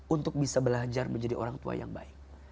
untuk bisa belajar menjadi orang tua yang baik